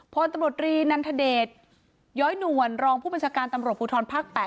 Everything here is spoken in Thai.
พลตำรวจรีนันทเดชย้อยนวลรองผู้บัญชาการตำรวจภูทรภาค๘